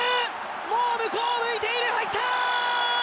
もう向こうを向いている、入った！